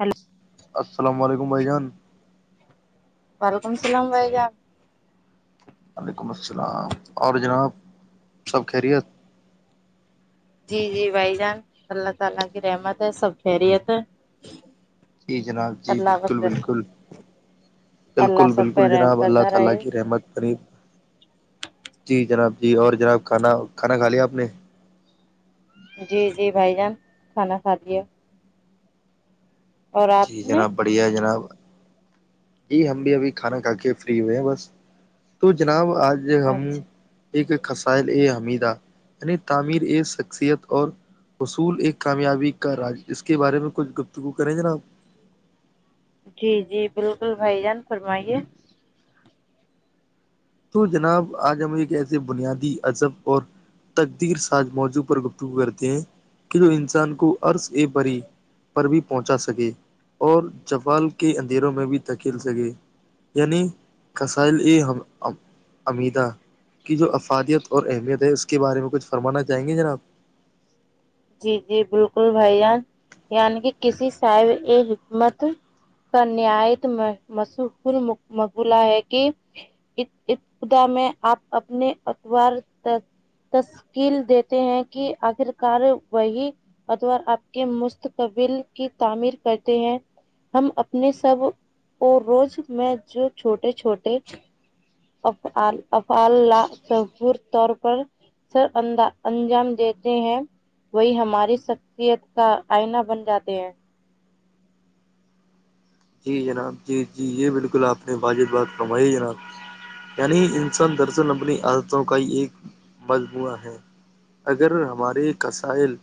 hello السلام علیکم بھائی جان وعلیکم السلام وائی جان وعلیکم السلام اور جناب سب خیریت جی جی بھائی جان اللہ تعالی کی رحمت ہے سب خیریت ہے جی جناب جی اللہ بالکل بس بالکل بالکل اللہ سب بالکل پہ رحم جناب اللہ کرتا تعالی رہے کی رحمت بری جی جناب جی اور جناب کھانا کھانا کھا لیا آپ نے جی جی بھائی جان کھانا کھا دیا آپ جی نے جناب بڑھیا ہے جناب جی ہم بھی ابھی کھانا کھا کے فری ہوئے ہیں بس تو جناب آج ہم اچھا ایک خسائل اے حمیدا یعنی تعمیر ا شخصیت اور اصول ایک کامیابی کا راج اس کے بارے میں کچھ گفتگو کریں جناب جی جی بالکل بھائی جان فرمائیے تو جناب آج ہم ایک ایسے بنیادی اذہب اور تقدیر ساز موضوع پر گفتگو کرتے ہیں کہ جو انسان کو عرض اے پری پر بھی پہنچا سکے اور جفال کے اندھیروں میں بھی دھکیل سکے یعنی کسائل ہم امییدہ کی جو افادیت اور اہمیت ہے اس کے بارے میں کچھ فرمانا چاہیں گے جناب جی جی بالکل بھائی جان یعنی کہ کسی صاحب یہ حکمت کا نیایت مش مولہ ہے کہ خدا میں آپ اپنے اتبار تشکیل دیتے ہیں کہ آخر کار وہی ادار آپ کے مستقبل کی تعمیر کرتے ہیں ہم اپنے سب اور روز میں جو چھوٹے چھوٹے اف افعالا شہور طور پر سر اند انجام دیتے ہیں وہی ہماری شخصیت کا آئینہ بن جاتے ہیں جی جناب جی جی یہ بالکل آپ نے واجد بات فرمائی ہے جناب یعنی انسان درشن اپبنی عادتوں کا ہی ایک مجموعہ ہے اگر ہماری قسائل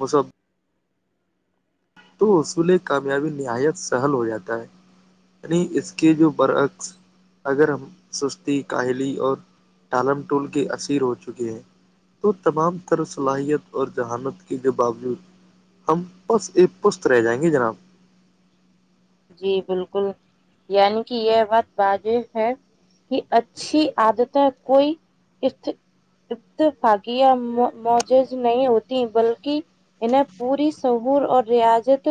مذہب تو اصول کامیابی نہایت سہل ہو جاتا ہے یعنی اس کے جو برعکس اگر ہم سستی کاہلی اور ٹالم ٹول کے اسثیر ہو چکے ہیں تو تمام طرح صلاحیت اور ذہانت کے باوجود ہم بس ایک پست رہ جائیں گی جناب جی بالکل یعنی کہ یہ بات واجب ہے کی اچھی آادتیں کوئی فاگیاں موجز نہیں ہوتی بلکہ انہیں پوری شہور اور ریاضت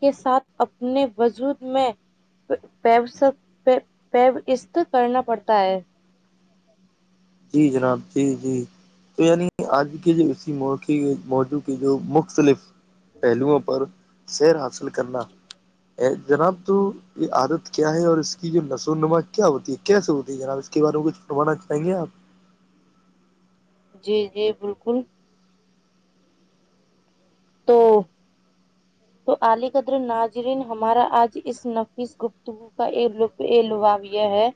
کے ساتھ اپنے وجود میں پ کرنا پڑتا ہے جی جناب جی جی تو یعنی آج کے جو اسی موقع موضوع کے جو مختلف پہلوؤں پر سیر حاصل کرنا ا جناب تو یہ عادت کیا ہے اور اس کی جو نشو وون نما کیا ہوتی ہے کیسے ہوتی ہے جناب اس کے بارے میں کچھنوانا چاہیں گے آپ جی جی بالکل تو [inaudible] تو علی قدر ناظرین ہمارا آج اس نفیس گپت ہو کا لاو یہ ہے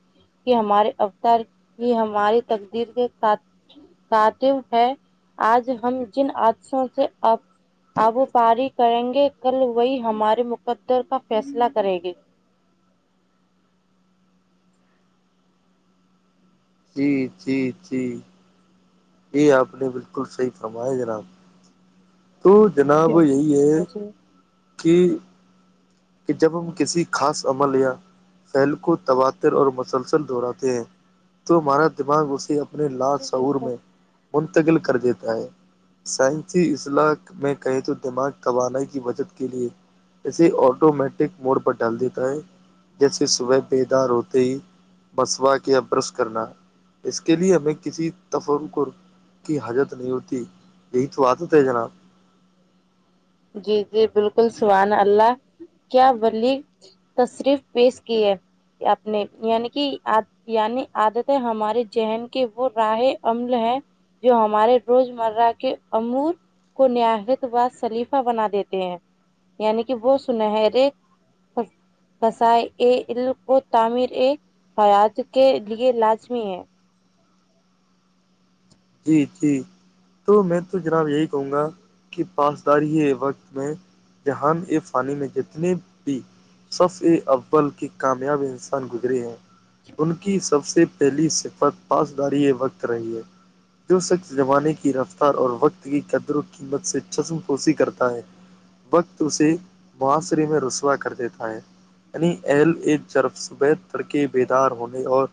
کہ ہمارے اوتار ہی ہماری تقدیر کے سھ کاتب ہے آج ہم جن حادسوں سے اب وہ پاری کریں گے کل وہی ہمارے مقدر کا فیصلہ کریں گے جی جی جی یہ آپ نے بالکل صحی فرمایا جناب تو جناب یہی ہے گے کہ کہ جب ہم کسی خاص عمل یا پھیل کو تباتر اور مسلسل دہراتے ہیں تو ہمارا دماغ اسے اپنے لااتصعور میں منتقل کر دیتا ہے سائنسی اضلاع میں کہیں تو دماغ توانائی کی وجد کے لئے اسے آٹومیٹک موڈ پر ڈال دیتا ہے جیسے صبح بیدار ہوتے ہی بسوا کے ا برس کرنا اس کے لیے ہمیں کسی تفر کو کی حجت نہیں ہوتی یہی تو آات ہوتا ہے جناب جی جی بالکل سوان اللہ کیا بلی تشریف پیش کی ہے آپ نے یعنی کہ یعنی عادتیں ہمارے ذہن کی وہ راہ عمل ہے جو ہمارے روزمرہ کے امور کو نہایت و سلیف بنا دیتے ہیں یعنی کہ وہ سنا ہےر کسائی ا علم کو تعمیر اے حیات کے لیے لازمی ہے جی جٹی تو میں تو جناب یہی کہوں گا کہ پاسداری ہی وقت میں جہاں اس فانی میں جتنے بھی صف ا اول کے کامیاب انسان گزرے ہیں ان کی سب سے پہلی صفت پاسداری وقت رہی ہے جو سخص زمانے کی رفتار اور وقت کی قدر و قیمت سے چسم کوسی کرتا ہے وقت اسے معاصرے میں رسوا کر دیتا ہے یعنی ایہل ایک جرف صبید تڑکے بیدار ہونے اور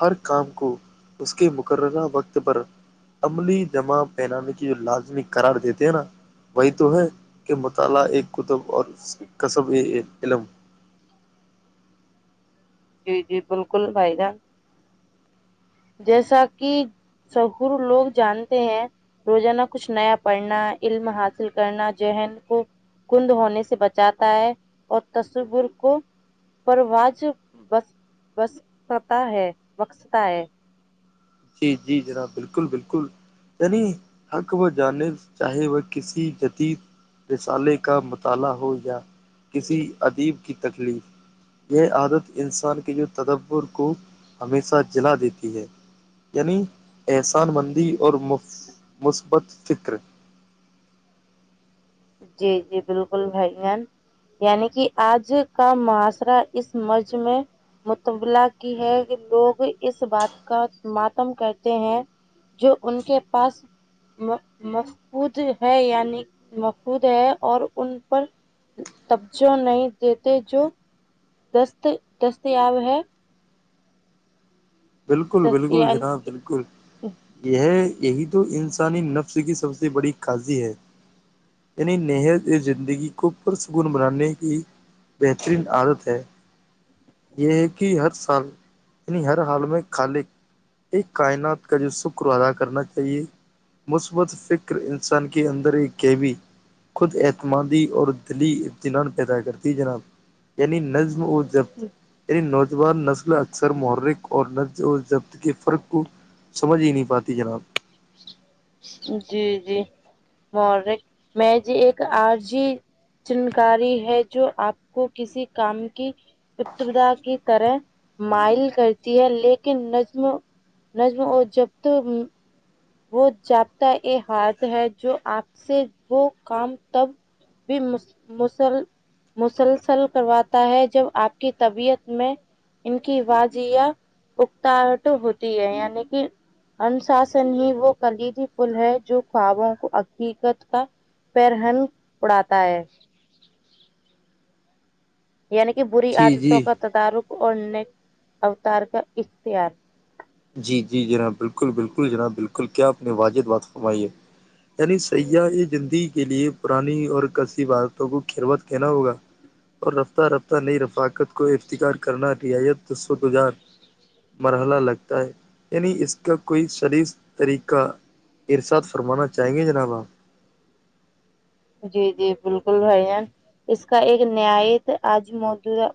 ہر کام کو اس کے مقررہ وقت پر عملی جمع پہنانے کی جو لازمی قرار دیتے ہیں نا وہی تو ہے کہ مطالعہ ایک کتب اور کصب علم جی جی بالکل بھائی جہ جیسا کہ سہر لوگ جانتے ہیں روزانہ کچھ نیا پڑھنا علم حاصل کرنا ذہن کو کند ہونے سے بچاتا ہے اور تصور کو پروج بس بس ستا ہے بخستا ہے جی جی جناب بالکل بالکل یع حق و جانے چاہے وہ کسی جتی رسالے کا مطالعہ ہو یا کسی ادیب کی تکلیف یہ عادت انسان کے جو تدبر کو ہمیشہ جلا دیتی ہے یعنی احسان مندی اور مثبت فکر جی جی بالکل بھائی یعنی کہ آج کا محاشرہ اس مچ میں مطبلہ کی ہے کہ لوگ اس بات کا ماتم کہتے ہیں جو ان کے پاس مفقود ہے یعنی خود ہے اور ان پر توجہ نہیں دیتے جو دست دستیاب ہے بالکل دست بالکل جناب یعنی بالکل یہ یہی تو انسانی نفس کی سب سے بڑی کاضی ہے یعنی نہت زندگی کو پرسکون بنانے کی بہترین عادت ہے یہ ہے کہ ہر سال یعنی ہر حال میں خالق ایک کائنات کا جو شکر ادا کرنا چاہیے مثبت فکر انسان کے اندر ہی کیبی خود اعتمادی اور دلی ابطتینان پیدا کرتی جناب یعنی نظم اور جب یعنی نوجوان نسل اکثر محرک اور نز جو ضبط کے فرق کو سمجھ ہی نہیں پاتی جناب جی جی م میں جی ایک آر جی جنکاری ہے جو آپ کو کسی کام کی ابتدا کی طرح مائل کرتی ہے لیکن نظم نجم اور جب تو وہ جاابطہ یہ ہد ہے جو آپ سے وہ کام تب بھی مس مسل مسلسل کرواتا ہے جب آپ کی طبیعت میں ان کی وج یا اکتاٹ ہوتی ہے یعنی کہ انشاسن ہی وہ کلیدی پل ہے جو خوابوں کو حقیقت کا پیر ہن اڑاتا ہے یعنی کہ بری جی عادتوں جی کا تدارک اور نیک اوتار کا اختیار جی جی جناب بالکل بالکل جناب بالکل کیا آپ نے واجد بات فرمائی ہے یعنی سیاح زندگی کے لیے پرانی اور کثب بارتوں کو کھروت کہنا ہوگا اور رفتہ رفتہ نئی رفاقت کو افتکار کرنا رعایت تستجار مرحلہ لگتا ہے یعنی اس کا کوئی شریس طریقہ سادد فرمانا چاہیں گے جناب آپ جی جی بالکل ہے جان اس کا ایک نیات آج موجودہ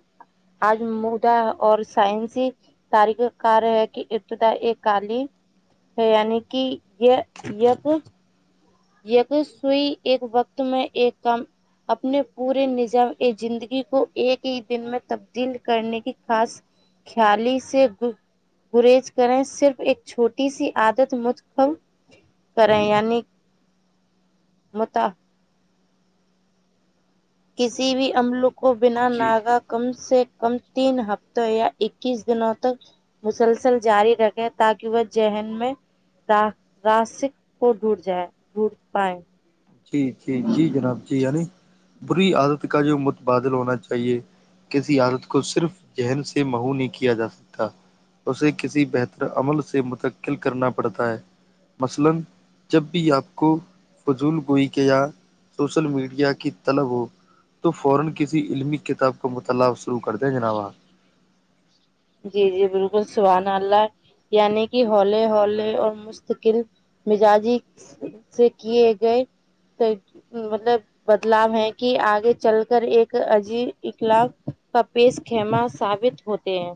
آج مدا اور سائنسی ہی ساریخ کار ہے کہ ات یہ کالی یع کہ یہ تو سوئی ایک وقت میں ایک کام اپنے پورے نظام زندگی کو ایک ہی دن میں تبدیل کرنے کی خاص چیالیس سے گریز کریں صرف ایک چھوٹی سی عادت متخم کریں یعنی متا کسی بھی امل کو بنا جی ناگا کم سے کم تین ہفتوں یا اکیس دنوں تک مسلسل جاری رکھیں تاکہ وہ ذہن میں راسک کو ڈڈ جائے ڈڈ پائائے جی جی جی جناب جی یعنی بری عادت کا جو متبادل ہونا چاہیے کسی عادت کو صرف ذہن سے محو نہیں کیا جا سکتا اسے کسی بہتر عمل سے منتقل کرنا پڑتا ہے مثلاجب بھی آپ کو فضول کوئی کیا یہاں سوشل میڈیا کی طلب ہو تو فورا کسی علمی کتاب کا مطالعہ شروع کر دیں جناب جی جی بالکل سبان اللہ ہے یعنی کہ ہولے ہولے اور مستقل مزاجی سے کیے گئے مطلب بدلاؤ ہے کہ آگے چل کر ایک عجیب اخلاق کا پیش خیمہ ثابت ہوتے ہیں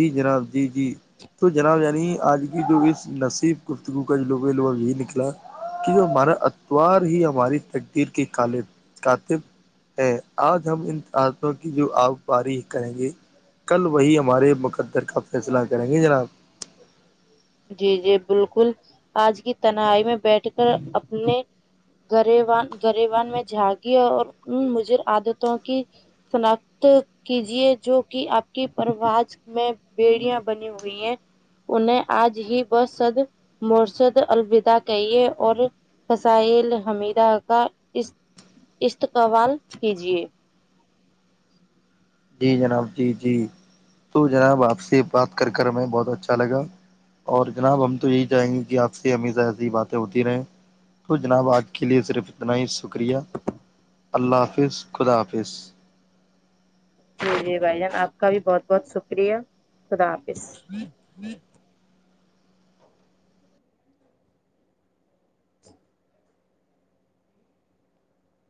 جی جناب جی جی تو جناب یعنی آج کی جو اس نصیب گفتگو کا جو لوگ لوگ یہ نکلا کی جو ہمارا اتوار ہی ہماری تقدیر کے کال کاتب ہے آج ہم ان تتوں کی جو آب پاریخ کریں گے کل وہی ہمارے مقدر کا فیصلہ کریں گے جناب جی جی بالکل آج کی تنہائی میں بیٹھ کر اپنے گریوان گریوان میں جھاگی اور ان مجھے عادتوں کی سناخت کیجیے جو کہ آپ کی پروج میں بیڑیاں بنی ہوئی ہیں انہیں آج ہی بس سد مورشد الودا کہیے اور قسائل حمیدہ کا اس استقبال کیجیے جی جناب جی جی تو جناب آپ سے بات کر کر میںیں بہت اچھا لگا اور جناب ہم تو یہی چاہیں گے کہ آپ سے ہممی س ایسیی باتیں ہوتی رہیں تو جناب آج کے لیے صرف اتنا ہی شکریہ اللہ حافظ خدا حافظ جی جی بھائی جان آپ کا بھی بہت بہت شکریہ خدا حافظ